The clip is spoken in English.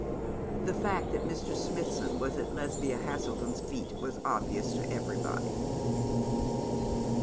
The fact that Mr. Smithson was at Lesbia Haselden's feet was obvious to everybody.